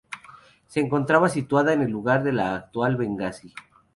Se encontraba situada en el lugar de la actual Bengasi.